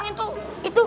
uangnya kok gak cukup ya